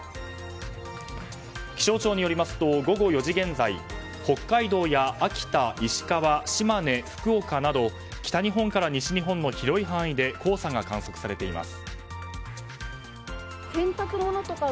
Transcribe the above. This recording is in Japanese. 気象庁によりますと午後４時現在北海道や秋田、石川島根、福岡など北日本から西日本の広い範囲で黄砂が観測されています。